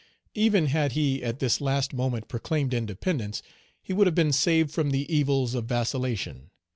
Even had he at this last moment proclaimed independence, he would have been saved from the evils of vacillation.